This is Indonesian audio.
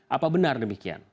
apa benar demikian